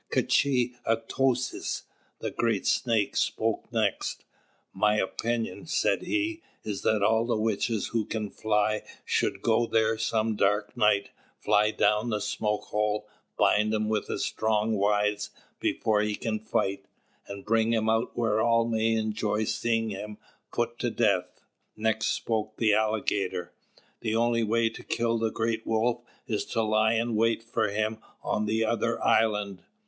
K'chī Atōsis, the Great Snake, spoke next: "My opinion," said he, "is that all the witches who can fly should go there some dark night, fly down the smokehole, bind him with strong withes before he can fight, and bring him out where all may enjoy seeing him put to death." Next spoke the Alligator: "The only way to kill the Great Wolf is to lie in wait for him on the other island.